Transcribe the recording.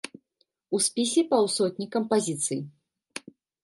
У спісе паўсотні кампазіцый.